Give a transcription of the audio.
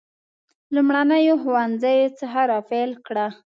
لومړنیو ښوونځیو څخه را پیل کړه.